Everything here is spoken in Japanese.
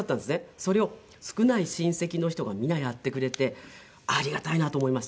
それを少ない親戚の人が皆やってくれてありがたいなと思いました。